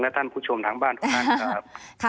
ท่านผู้ชมทางบ้านของท่านครับ